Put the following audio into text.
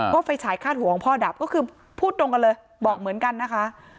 ไฟฉายคาดหัวของพ่อดับก็คือพูดตรงกันเลยบอกเหมือนกันนะคะ